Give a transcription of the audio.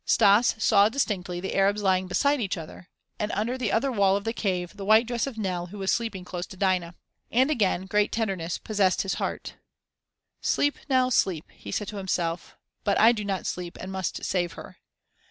Stas saw distinctly the Arabs lying beside each other, and under the other wall of the cave the white dress of Nell who was sleeping close to Dinah. And again great tenderness possessed his heart. "Sleep, Nell sleep," he said to himself; "but I do not sleep, and must save her."